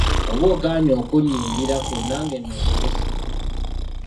Oba ogaanyi okunnyimbirako nange nno mbirese.